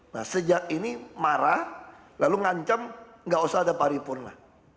nah sejak ini marah lalu ngancam nggak usah ada paripurna